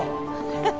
ハハハ！